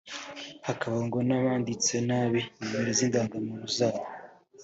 hakaba ngo n’abanditse nabi nimero z’indangamuntu zabo